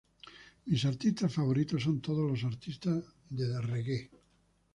Mis artistas favoritos son todos los artistas de reggae.